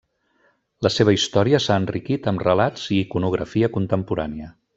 La seva història s'ha enriquit amb relats i iconografia contemporània.